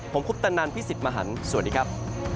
ผมคุปตะนันพี่สิทธิ์มหันฯสวัสดีครับ